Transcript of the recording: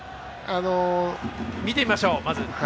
見てみましょう。